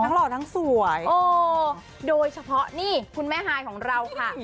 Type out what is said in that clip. หล่อทั้งสวยโดยเฉพาะนี่คุณแม่ฮายของเราค่ะ